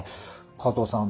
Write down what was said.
加藤さん